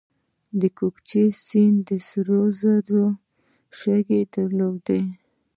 د کوکچې سیند د سرو زرو شګې درلودې